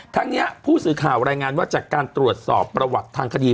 ทั้งนี้ผู้สื่อข่าวรายงานว่าจากการตรวจสอบประวัติทางคดี